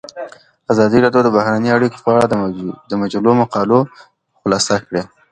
ازادي راډیو د بهرنۍ اړیکې په اړه د مجلو مقالو خلاصه کړې.